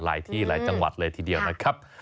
หลายที่หลายจังหวัดเลยทีเดียวนะครับ